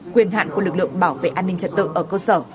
quyền hạn của lực lượng bảo vệ an ninh trật tự ở cơ sở